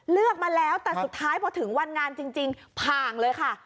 เลือกมาแล้วแต่สุดท้ายพอถึงวันงานจริงผ่านเลยค่ะ